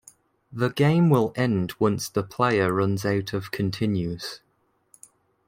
The game will end once the player runs out of continues.